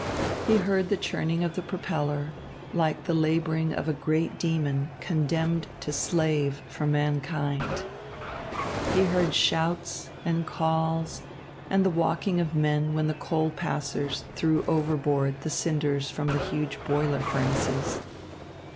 He heard the churning of the propeller, like the labouring of a great demon condemned to slave for mankind. He heard shouts and calls and the walking of men when the coal passers threw overboard the cinders from the huge boiler furnaces.